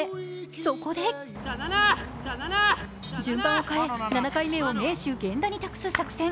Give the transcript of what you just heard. そこで順番を変えて７回目を名手・源田に託す作戦。